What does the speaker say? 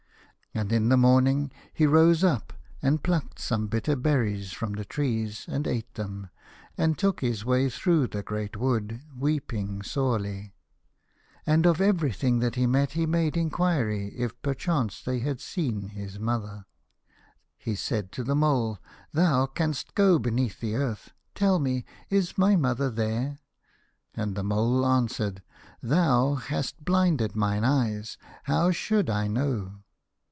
And in the morning he rose up, and plucked some bitter berries from the trees and ate them, and took his way through the great wood, weeping sorely. And of everything that he met he made enquiry if perchance they had seen his mother. 143 A House of Pomegranates. He said to the Mole, " Thou canst go beneath the earth. Tell me, is my mother there ?" And the Mole answered, "Thou hast blinded mine eyes. How should I know